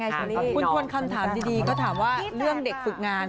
คุณทวนคำถามดีก็ถามว่าเรื่องเด็กฝึกงาน